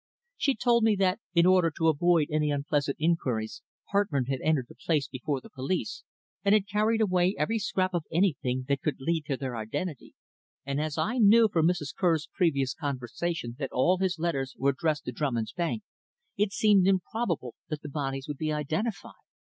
She told me that, in order to avoid any unpleasant inquiries, Hartmann had entered the place before the police, and had carried away every scrap of anything that could lead to their identity, and as I knew from Mr. Kerr's previous conversation that all his letters were addressed to Drummond's Bank, it seemed improbable that the bodies would be identified.